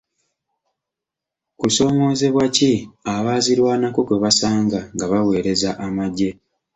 Kusoomoozebwa ki abaazirwanako kwe bwasanga nga baweereza amagye?